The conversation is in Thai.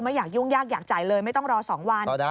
อยากยุ่งยากอยากจ่ายเลยไม่ต้องรอ๒วัน